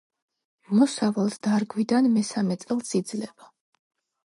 მოსავალს დარგვიდან მესამე წელს იძლევა.